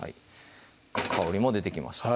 香りも出てきました